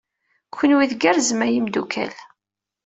Kenwi tgerrzem a imeddukal.